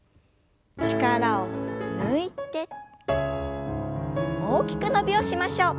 力を抜いて大きく伸びをしましょう。